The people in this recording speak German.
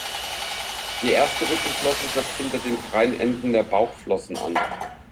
Die erste Rückenflosse setzt hinter den freien Enden der Bauchflossen an.